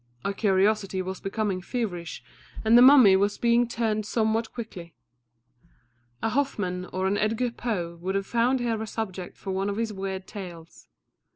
Our curiosity was becoming feverish, and the mummy was being turned somewhat quickly. A Hoffmann or an Edgar Poe could have found here a subject for one of his weird tales.